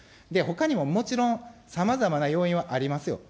で、ほかにももちろんさまざまな要因はありますよ。